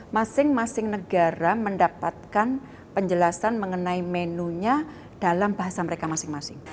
masing masing negara mendapatkan penjelasan mengenai menunya dalam bahasa mereka masing masing